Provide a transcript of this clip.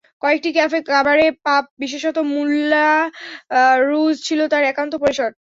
কয়েকটি cafe, cabaret, pub, বিশেষত Moulin রুঝ ছিল তাঁর একান্ত পরিসর।